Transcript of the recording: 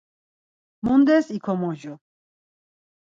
Mundes ikomocu?